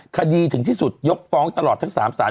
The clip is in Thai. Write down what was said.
คดีถึงที่สุดยกฟ้องตลอดทั้ง๓สาร